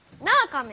亀。